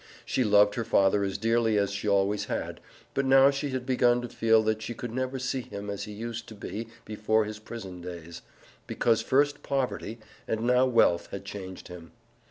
She loved her father as dearly as she always had, but now she had begun to feel that she could never see him as he used to be before his prison days, because first poverty and now wealth had changed him.